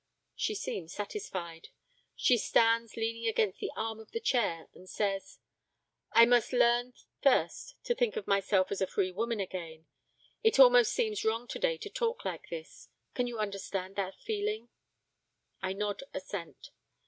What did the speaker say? She seems satisfied. She stands leaning against the arm of the chair and says 'I must learn first to think of myself as a free woman again, it almost seems wrong today to talk like this; can you understand that feeling?' I nod assent.